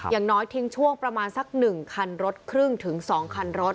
อย่างน้อยทิ้งช่วงประมาณสัก๑คันรถครึ่งถึง๒คันรถ